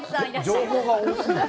情報が多すぎて。